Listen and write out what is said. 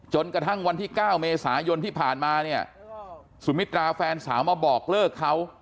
จนกระทั่งวันที่๙เมษายนที่ผ่านมาเนี่ยสุมิตราแฟนสาวมาบอกเลิกเขา